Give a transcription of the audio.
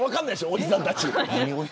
おじさんたち。